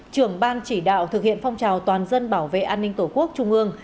trưởng ban chỉ đạo thực hiện phong trào toàn dân bảo vệ an ninh tổ quốc trung ương